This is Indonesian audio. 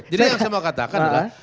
yang saya mau katakan adalah